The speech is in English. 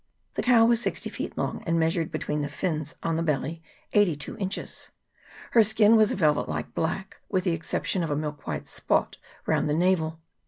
The cow was sixty feet long, and measured between the fins on the belly eighty two inches. Her skin was a velvet like black, with the exception of a milk white spot round the navel.